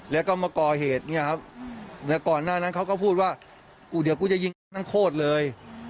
แล้วก็มาก่อเหตุเนี่ยครับแต่ก่อนหน้านั้นเขาก็พูดว่ากูเดี๋ยวกูจะยิงแก๊กทั้งโคตรเลย